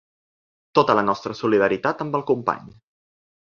Tota la nostra solidaritat amb el company.